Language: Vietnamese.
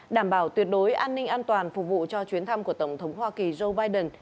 đảm bảo tuyệt đối an ninh an toàn phục vụ cho chuyến thăm của tổng thống hoa kỳ joe biden